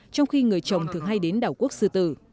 trong khi người chồng thường hay đến đảo quốc sư tử